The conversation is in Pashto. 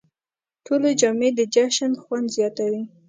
نوې جامې د جشن خوند زیاتوي